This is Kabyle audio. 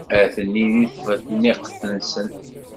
Atni deg tebniqt-nsen.